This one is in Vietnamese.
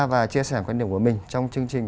và chia sẻ quan điểm của mình trong chương trình